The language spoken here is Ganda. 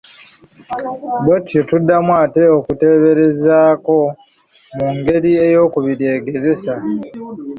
Bwe tutyo tuddamu ate okukiteeberezaako mu ngeri eyookubiri egezeseka.